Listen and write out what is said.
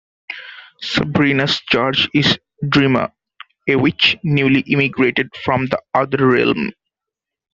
Sabrina's charge is Dreama, a witch newly immigrated from the Other Realm.